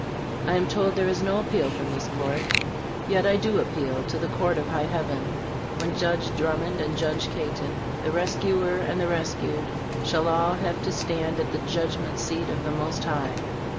I am told there is no appeal from this Court; yet I do appeal to the Court of High Heaven, when Judge Drummond and Judge Caton, the rescuer and the rescued, shall all have to stand at the judgment seat of the Most High.